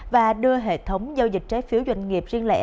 và đưa hệ thống giao dịch trái phiếu doanh nghiệp riêng lẻ